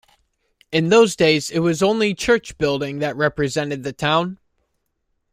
In those days, it was only church building that represented the town.